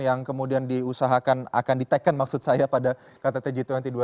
yang kemudian diusahakan akan di taken maksud saya pada kttg dua ribu dua puluh dua ribu dua puluh dua